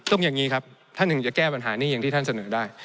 อย่างนี้ครับท่านถึงจะแก้ปัญหานี้อย่างที่ท่านเสนอได้